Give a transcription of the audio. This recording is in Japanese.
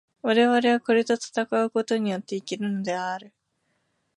我々はこれと戦うことによって生きるのである。